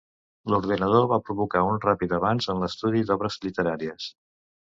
L'ordenador va provocar un ràpid avanç en l'estudi d'obres literàries.